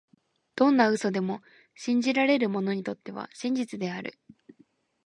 どんな嘘でも、信じられる者にとっては真実である。